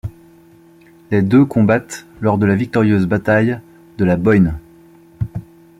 Les deux combattent lors de la victorieuse bataille de la Boyne.